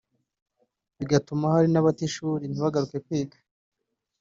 bigatuma hari n’abata ishuri ntibagaruke kwiga